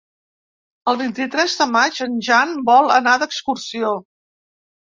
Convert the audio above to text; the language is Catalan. El vint-i-tres de maig en Jan vol anar d'excursió.